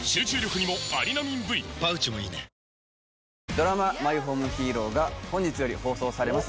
ドラマ「マイホームヒーロー」が本日より放送されます